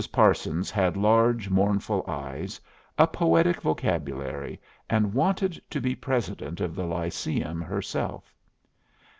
Parsons had large, mournful eyes, a poetic vocabulary, and wanted to be president of the Lyceum herself.